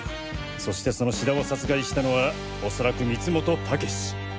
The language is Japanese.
そしてその志田を殺害したのは恐らく光本猛志。